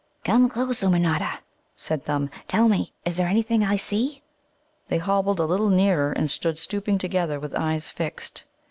"Come close, Ummanodda," said Thumb. "Tell me, is there anything I see?" They hobbled a little nearer, and stood stooping together with eyes fixed.